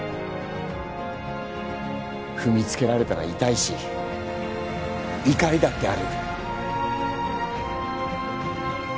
踏みつけられたら痛いし怒りだってある。